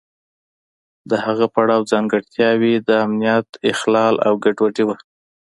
د هغه پړاو ځانګړتیاوې د امنیت اخلال او ګډوډي وه.